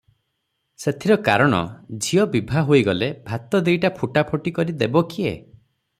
ସେଥିର କାରଣ, ଝିଅ ବିଭା ହୋଇ ଗଲେ ଭାତ ଦି'ଟା ଫୁଟାଫୁଟି କରି ଦେବ କିଏ?